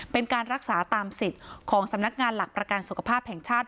เป็นการรักษาตามสิทธิ์ของสำนักงานหลักประกันสุขภาพแห่งชาติ